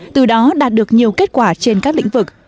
từ đó đạt được nhiều kết quả trên các lĩnh vực